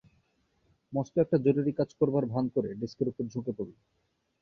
মস্ত একটা জরুরি কাজ করবার ভান করে ডেস্কের উপর ঝুঁকে পড়ল।